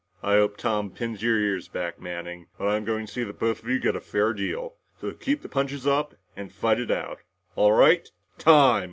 "I hope Tom pins your ears back, Manning. But I'm going to see that both of you get a fair deal. So keep the punches up and fight it out. All right time!"